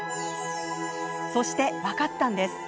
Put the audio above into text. そして、分かったんです。